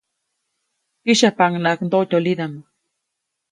Kyäsyapaʼuŋnaʼak ndoʼtyolidaʼm.